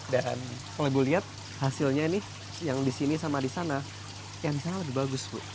dan kalau ibu lihat hasilnya ini yang disini sama disana yang disana lebih bagus